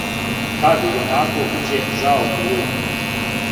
Тад јунаку грђе жао било,